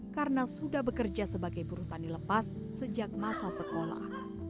karena sudah bekerja sebagai buruh tani lepas sejak masa sekolah